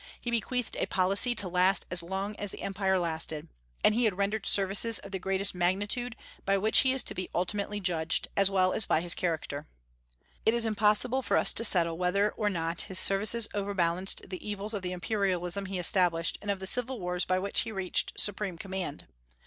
He bequeathed a policy to last as long as the Empire lasted; and he had rendered services of the greatest magnitude, by which he is to be ultimately judged, as well as by his character. It is impossible for us to settle whether or not his services overbalanced the evils of the imperialism he established and of the civil wars by which he reached supreme command.